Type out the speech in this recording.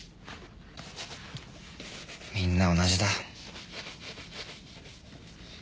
みんな同じだ。